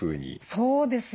そうですか？